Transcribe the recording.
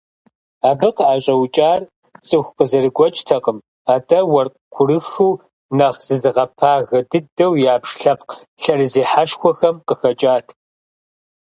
Абы къыӀэщӀэукӀар цӀыху къызэрыгуэкӀтэкъым, атӀэ уэркъ курыхыу, нэхъ зызыгъэпагэ дыдэу ябж лъэпкъ лъэрызехьэшхуэхэм къыхэкӀат.